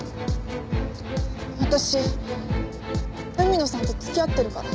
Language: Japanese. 私海野さんと付き合ってるから。